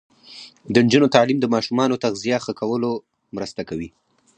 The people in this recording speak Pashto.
د نجونو تعلیم د ماشومانو تغذیه ښه کولو مرسته کوي.